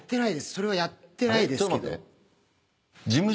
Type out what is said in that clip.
それはやってないですけど。